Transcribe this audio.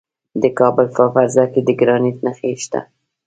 د کابل په فرزه کې د ګرانیټ نښې شته.